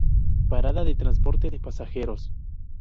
Parada de transporte de pasajeros.